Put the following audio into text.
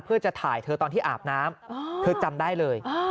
เพื่อจะถ่ายเธอตอนที่อาบน้ำเธอจำได้เลย